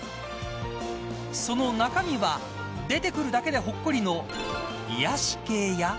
その中身は出てくるだけでほっこりの癒やし系や。